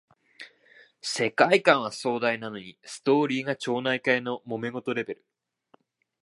世界観は壮大なのにストーリーが町内会のもめ事レベル